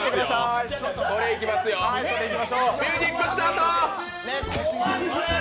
ミュージックスタート！